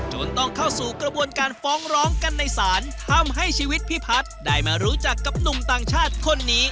จนต้องเข้าสู่กระบวนการฟ้องร้องกันในศาลทำให้ชีวิตพี่พัฒน์ได้มารู้จักกับหนุ่มต่างชาติคนนี้